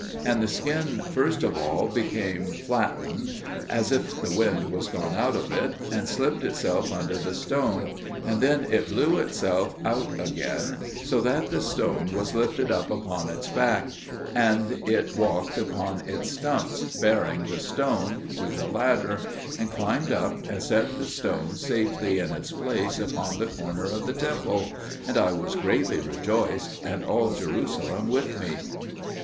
And the skin first of all became flattened, as if the wind was gone out of it, and slipped itself under the stone; and then it blew itself out again so that the stone was lifted up upon its back, and it walked upon its stumps, bearing the stone, to the ladder, and climbed up and set the stone safely in its place upon the corner of the temple; and I was greatly rejoiced, and all Jerusalem with me.